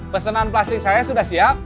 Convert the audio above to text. pesanan plastik saya sudah siap